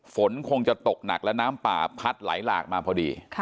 ฝนคงจะตกหนักและน้ำป่าพัดไหลหลากมาพอดี